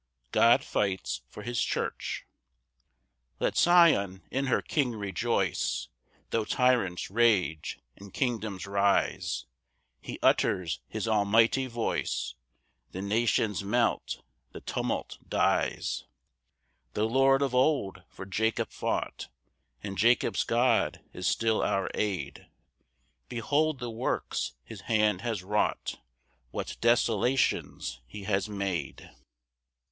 God fights for his church. 1 Let Sion in her King rejoice, Tho' tyrants rage and kingdoms rise; He utters his almighty voice, The nations melt, the tumult dies. 2 The Lord of old for Jacob fought, And Jacob's God is still our aid; Behold the works his hand has wrought, What desolations he has made!